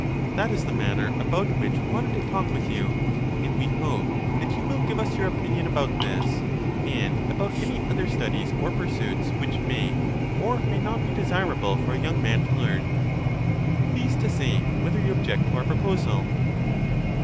That is the matter about which we wanted to talk with you; and we hope that you will give us your opinion about this, and about any other studies or pursuits which may or may not be desirable for a young man to learn. Please to say whether you object to our proposal.